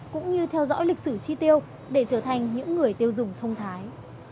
cũng như theo dõi lịch sử chi tiêu để trở thành những người tiêu dùng thông thái